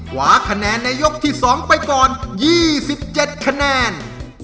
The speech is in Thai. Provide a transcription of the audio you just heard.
ขวาคะแนนในยกที่๒ไปก่อน๒๗คะแนน